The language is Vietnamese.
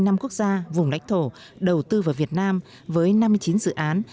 năm quốc gia vùng lãnh thổ đầu tư vào việt nam với năm mươi chín dự án